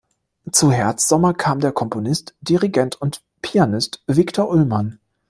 Zu Herz-Sommer kam der Komponist, Dirigent und Pianist Viktor Ullmann.